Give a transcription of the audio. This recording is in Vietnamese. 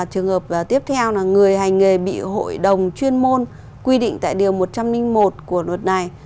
trường hợp tiếp theo là người hành nghề bị hội đồng chuyên môn quy định tại điều một trăm linh một của luật này